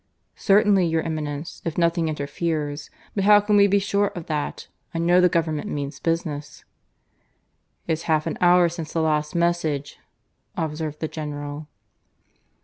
"Certainly, your Eminence, if nothing interferes; but how can we be sure of that? I know the Government means business." "It's half an hour since the last message," observed the General.